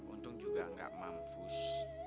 untung juga gak mampus